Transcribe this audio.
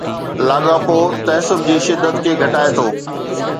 لاڳاپو تعصب جي شدت کي گھٽائي ٿو